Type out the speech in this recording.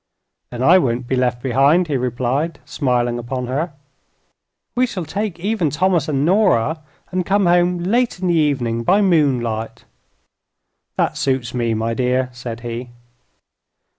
"Then I won't be left behind," he replied, smiling upon her. "We shall take even Thomas and Nora, and come home late in the evening, by moonlight." "That suits me, my dear," said he.